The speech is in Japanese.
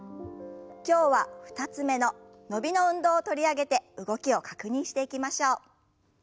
今日は２つ目の伸びの運動を取り上げて動きを確認していきましょう。